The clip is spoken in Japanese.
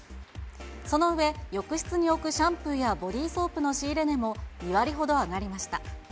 その上、浴室に置くシャンプーやボディーソープの仕入れ値も２割ほど上がりました。